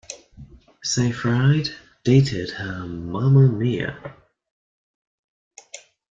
Seyfried dated her Mamma Mia!